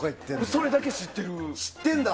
それだけ知ってる。